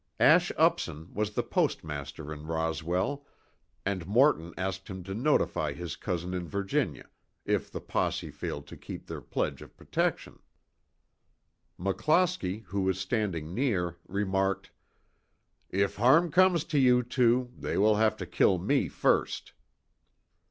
Ash Upson was the postmaster in Roswell, and Morton asked him to notify his cousin in Virginia, if the posse failed to keep their pledge of protection. McClosky, who was standing near, remarked: "If harm comes to you two, they will have to kill me first."